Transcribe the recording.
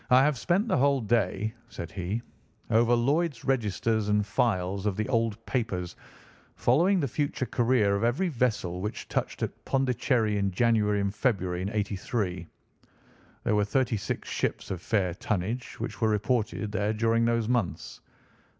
"I have spent the whole day," said he, "over Lloyd's registers and files of the old papers, following the future career of every vessel which touched at Pondicherry in January and February in '83. There were thirty six ships of fair tonnage which were reported there during those months.